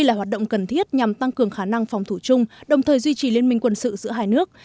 là hoạt động cần thiết nhằm tăng cường khả năng phòng thủ chung đồng thời duy trì liên minh quân sự giữa hai nước